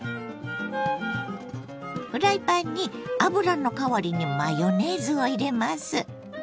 フライパンに油の代わりにマヨネーズを入れます。